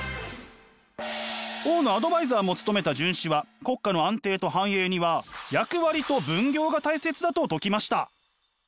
王のアドバイザーも務めた荀子は国家の安定と繁栄には役割と分業が大切だと説きました。